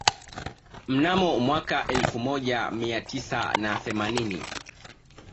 Mnamo mwaka wa elfu moja mai tisa na themanini